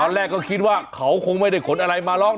แรกก็คิดว่าเขาคงไม่ได้ขนอะไรมาร้อง